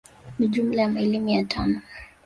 Ni jumla ya maili mia tano